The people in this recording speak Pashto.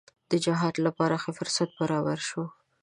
د جهاد لپاره ښه فرصت برابر شو.